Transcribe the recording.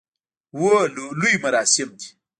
هو، لوی مراسم دی